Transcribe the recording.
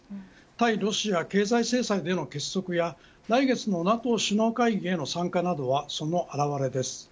対ロシア経済制裁での結束や来月のＮＡＴＯ首脳会議への参加などはその表れです。